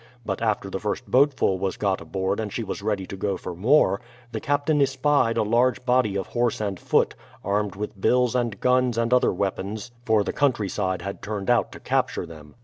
But after the first boatful was got aboard and she was ready to go for more, the captain espied a large body of horse and foot, armed with bills and gtuis and other weapons, — for the country side had turned out to capture them.